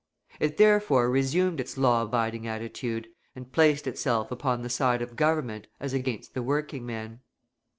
It therefore resumed its law abiding attitude, and placed itself upon the side of Government as against the working men.